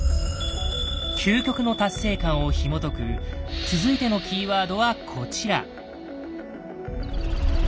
「究極の達成感」をひもとく続いてのキーワードはこちら。